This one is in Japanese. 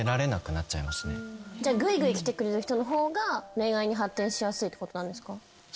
じゃあグイグイきてくれる人の方が恋愛に発展しやすいってことなんですか？